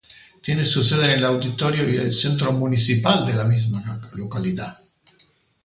Tiene su sede en el Auditorio y Centro Municipal de la misma localidad.